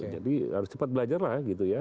jadi harus cepat belajar lah gitu ya